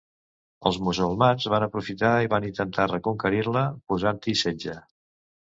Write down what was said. Els musulmans van aprofitar i van intentar reconquerir-la, posant-hi setge.